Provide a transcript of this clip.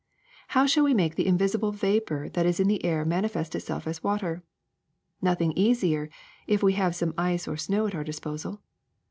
How shall we make the invisible vapor that is in the air manifest itself as water? Nothing easier, if we have some ice or snow at our disposal.